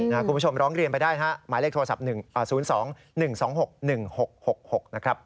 คุณผู้ชมร้องเรียนไปได้ฮะหมายเลขโทรศัพท์๐๒๑๒๖๑๖๖๖นะครับ